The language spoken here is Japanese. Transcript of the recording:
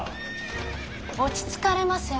落ち着かれませ。